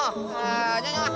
haa jangan lah